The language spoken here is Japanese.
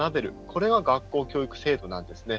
これが学校教育制度なんですね。